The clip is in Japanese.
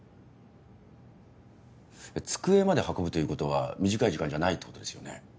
机まで運ぶということは短い時間じゃないってことですよね？